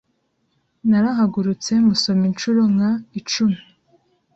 narahagurutse, musoma inshuro nka icumi